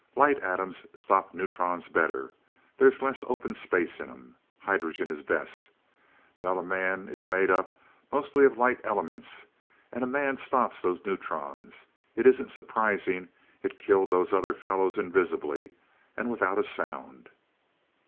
Light atoms stop neutrons better there's less open space in 'em. Hydrogen is best. Well a man is made up mostly of light elements, and a man stops those neutrons it isn't surprising it killed those other fellows invisibly, and without a sound."